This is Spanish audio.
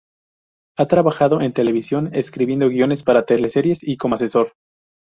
Ha trabajado en televisión, escribiendo guiones para teleseries y como asesor.